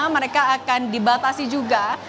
mereka akan dibatasi juga